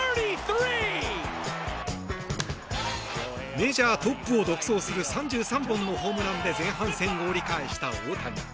メジャートップを独走する３３本のホームランで前半戦を折り返した大谷。